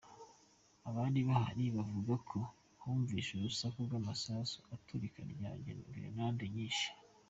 Abari bahari bavuga ko humvikanye urusaku rw’amasasu n’iturika rya gerenade nyinshi.